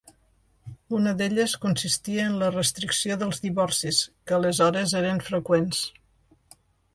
Una d'elles consistia en la restricció dels divorcis, que aleshores eren freqüents.